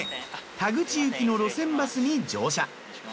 田口行きの路線バスに乗車。